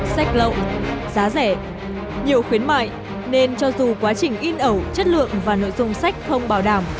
sách lậu giá rẻ nhiều khuyến mại nên cho dù quá trình in ẩu chất lượng và nội dung sách không bảo đảm